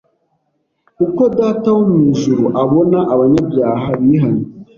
uko Data wo mu ijuru abona abanyabyaha bihannye